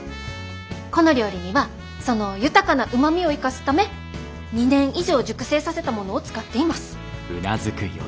この料理にはその豊かなうまみを生かすため２年以上熟成させたものを使っています。